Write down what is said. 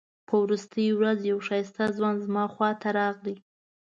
په وروستۍ ورځ یو ښایسته ځوان زما خواته راغی.